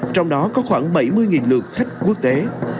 trong đó có khoảng bảy mươi lượt khách quốc tế